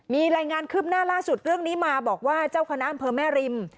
มีรายงานคืบหน้าล่าสุดเรื่องนี้มาบอกว่าเจ้าคณะอำเภอแม่ริม